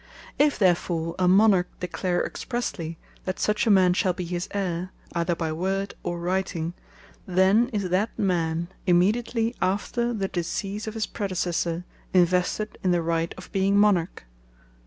If therefore a Monarch declare expresly, that such a man shall be his Heire, either by Word or Writing, then is that man immediately after the decease of his Predecessor, Invested in the right of being Monarch.